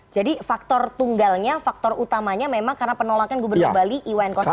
jadi faktor tunggalnya faktor utamanya memang karena penolakan gubernur bali iwan koster ya